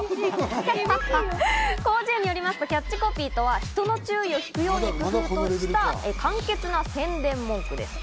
広辞苑によりますと、キャッチコピーとは、人の注意を引くように工夫した、簡潔な宣伝文句です。